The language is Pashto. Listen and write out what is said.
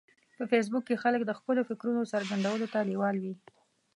په فېسبوک کې خلک د خپلو فکرونو څرګندولو ته لیوال وي